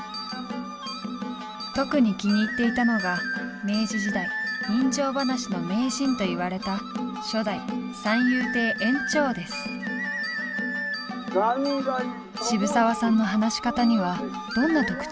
特に気に入っていたのが明治時代人情噺の名人といわれた渋沢さんの話し方にはどんな特徴が？